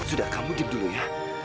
sudah kamu jeep dulu ya